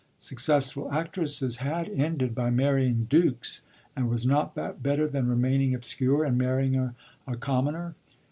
Successful actresses had ended by marrying dukes, and was not that better than remaining obscure and marrying a commoner?